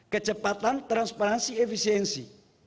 kecepatan transparansi efisiensi